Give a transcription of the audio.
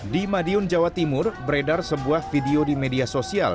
di madiun jawa timur beredar sebuah video di media sosial